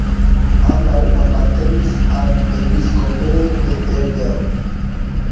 Ambaŭ apartenis al episkopejo de Eger.